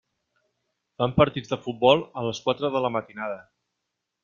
Fan partits de futbol a les quatre de la matinada.